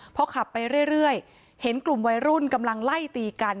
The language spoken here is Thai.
พอขับไปเรื่อยเห็นกลุ่มวัยรุ่นกำลังไล่ตีกัน